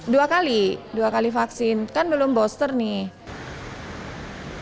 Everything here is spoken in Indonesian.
dua kali dua kali vaksin kan belum booster nih